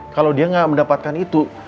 kalau dia nggak mendapatkan itu